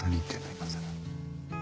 今さら。